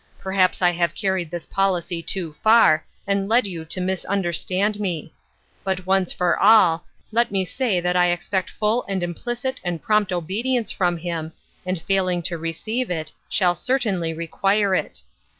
Perhaps I have carried this policy too far, and led you to misunderstand me. But once for all, let me say that I expect full and implicit and prompt obedience from him, and fail ing to receive it, shall certainly require it.